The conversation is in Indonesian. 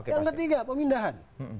yang ketiga pemindahan